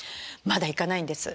まだ行かないんです。